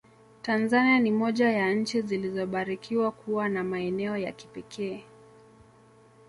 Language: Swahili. Tanzania ni moja ya nchi zilizobarikiwa kuwa na maeneo ya kipekee